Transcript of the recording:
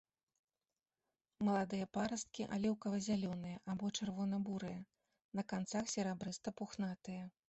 Маладыя парасткі аліўкава-зялёныя або чырвона-бурыя, на канцах серабрыста-пухнатыя.